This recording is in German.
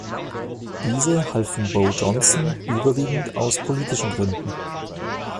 Diese halfen Bo Jonsson überwiegend aus politischen Gründen.